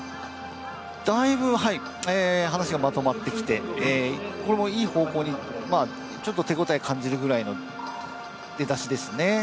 だいぶ話がまとまってきて、これもいい方向に、ちょっと手応え感じるぐらいの出だしですね。